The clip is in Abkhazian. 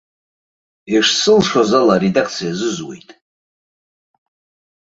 Ишсылшоз ала аредакциа азызуит.